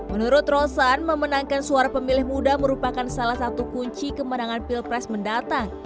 menurut rosan memenangkan suara pemilih muda merupakan salah satu kunci kemenangan pilpres mendatang